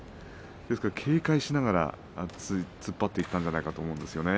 ですから警戒しながら突っ張っていったんじゃないかと思うんですね。